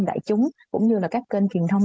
đại chúng cũng như là các kênh truyền thông